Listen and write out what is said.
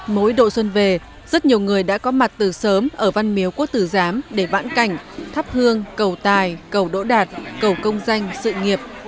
mỗi độ xuân về rất nhiều người đã có mặt từ sớm ở văn miếu quốc tử giám để vãn cảnh thắp hương cầu tài cầu đỗ đạt cầu công danh sự nghiệp